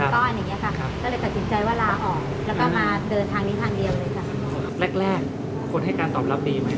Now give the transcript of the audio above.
ได้อะไรจากมีหนูเซ็นมาทางเรื่อง